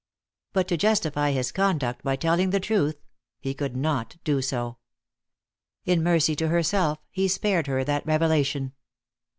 But to justify his conduct by telling the truth he could not do so. In mercy to herself he spared her that revelation.